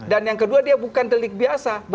dan yang kedua dia bukan delik biasa